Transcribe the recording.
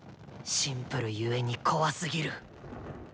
シンプル故に怖すぎる。